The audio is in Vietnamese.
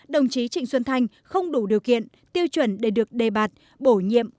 đồng chí trịnh xuân thanh không đủ điều kiện tiêu chuẩn để được đề bạt bổ nhiệm